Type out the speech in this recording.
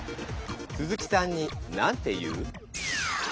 スズキさんになんて言う？